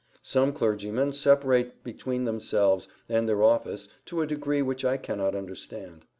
Some clergymen separate between themselves and their office to a degree which I cannot understand.